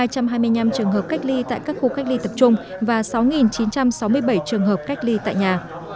các trường hợp đã được cách ly tại các khu cách ly tập trung và sáu chín trăm sáu mươi bảy trường hợp cách ly tại nhà